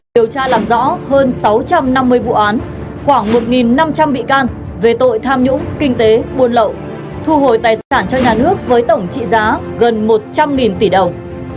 điều tra làm rõ hơn sáu trăm năm mươi vụ án khoảng một năm trăm linh bị can về tội tham nhũng kinh tế buôn lậu thu hồi tài sản cho nhà nước với tổng trị giá gần một trăm linh tỷ đồng